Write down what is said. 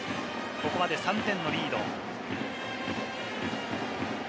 ここまで３点のリード。